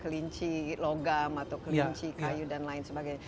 kelinci logam atau kelinci kayu dan lain sebagainya